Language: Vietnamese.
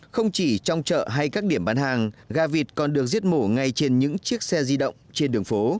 không chỉ trong chợ hay các điểm bán hàng gà vịt còn được giết mổ ngay trên những chiếc xe di động trên đường phố